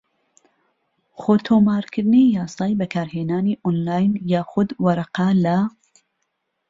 خۆتۆمارکردنی یاسای بەکارهێنانی ئۆنلاین یاخود وەرەقە لە